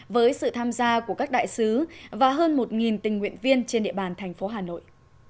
với sự tham gia của các đại sứ và hơn một tình nguyện viên trên địa bàn thành phố hà nội